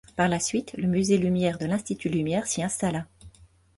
Par la suite, le musée Lumière de l'institut Lumière s'y installa.